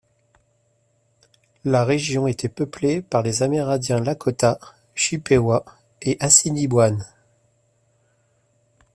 La région était peuplée par les Amérindiens Lakota, Chippewa et Assiniboine.